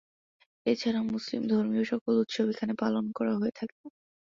এছাড়া মুসলিম ধর্মীয় সকল উৎসব এখানে পালন করা হয়ে থাকে।